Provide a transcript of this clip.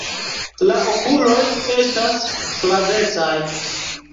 La okuloj estas flavecaj.